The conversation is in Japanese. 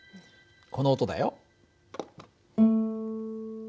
この音だよ。